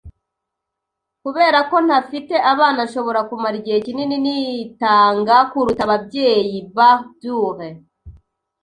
Kubera ko ntafite abana, nshobora kumara igihe kinini nitanga kuruta ababyeyi. (Bah_Dure)